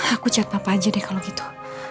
aku cat papa aja deh kalo gitu